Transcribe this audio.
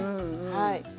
はい。